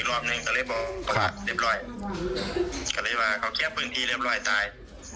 ก็เลยบอกเขาเครียบพื้นที่เรียบร้อยตาย